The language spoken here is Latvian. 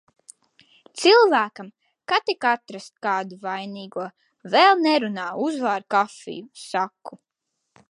Cilvēkam, ka tik atrast kādu vainīgo. "Vēl nerunā, uzvāri kafiju," saku.